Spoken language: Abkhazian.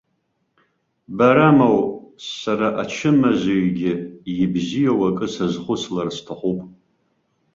Бара моу, сара ачымазаҩгьы ибзиоу акы сазхәыцлар сҭахуп.